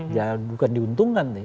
ya bukan diuntungkan nih